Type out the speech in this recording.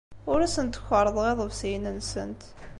Ur asent-kerrḍeɣ iḍebsiyen-nsent.